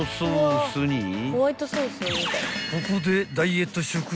［ここで］